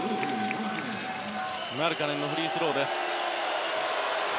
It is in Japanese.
マルカネンのフリースロー。